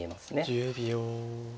１０秒。